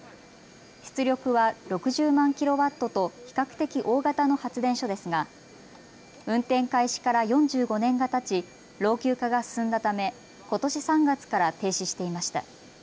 出力は６０万キロワットと比較的大型の発電所ですが運転開始から４５年がたち老朽化が進んだため、ことし３月から停止していました。